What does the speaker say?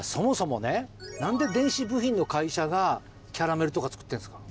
修發修何で電子部品の会社がキャラメルとか作ってんすか？